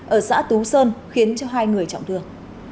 ở xã tú sơn khiến hai người trọng thương